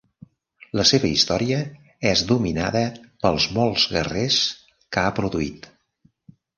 La seva història és dominada pels molts guerrers que ha produït.